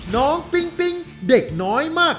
ปิ๊งปิ๊งเด็กน้อยมาก